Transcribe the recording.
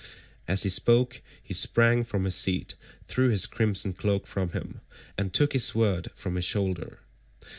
As he spoke he sprang from his seat, threw his crimson cloak from him, and took his sword from his shoulder.